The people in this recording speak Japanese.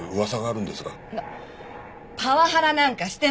パワハラなんかしてません！